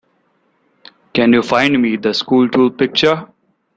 Can you find me the SchoolTool picture?